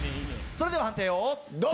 それでは判定をどうぞ。